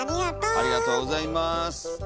ありがとうございます。